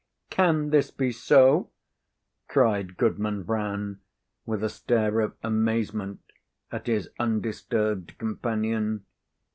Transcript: "Can this be so?" cried Goodman Brown, with a stare of amazement at his undisturbed companion.